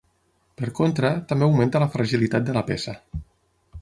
Per contra, també augmenta la fragilitat de la peça.